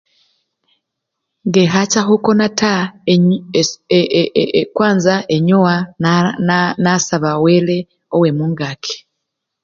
Nge khacha khukona taa ee-e-e kwansa enyowa naa na nasaba wele wemungakii.